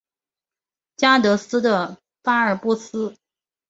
加的斯的巴尔布斯。